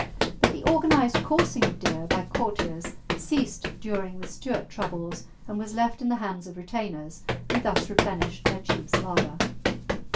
But the organised coursing of deer by courtiers ceased during the Stuart troubles, and was left in the hands of retainers, who thus replenished their chief's larder.